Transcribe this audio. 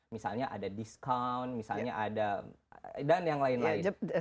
misalnya ada discount misalnya ada dan yang lain lain